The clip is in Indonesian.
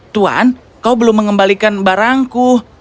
tuan kau belum mengembalikan barangku